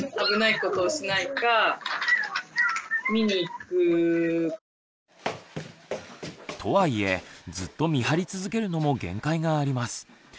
・おりて。とはいえずっと見張り続けるのも限界があります。